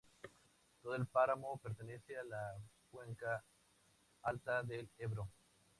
Todo el páramo pertenece a la cuenca alta del Ebro.